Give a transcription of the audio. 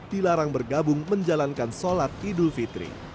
dilarang bergabung menjalankan sholat idul fitri